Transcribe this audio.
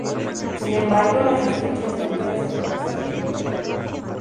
Sin embargo, las sospechas nunca desaparecerían.